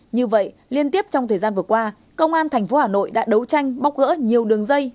như vậy liên tiếp trong thời gian vừa qua công an tp hà nội đã đấu tranh bóc gỡ nhiều đường dây